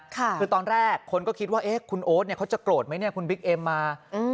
คือตอนแรกคนก็คิดว่าเอ๊ะคุณโอ๊ตเนี่ยเขาจะโกรธไหมเนี่ยคุณบิ๊กเอ็มมา